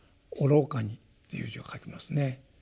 愚かにっていう字を書きますね。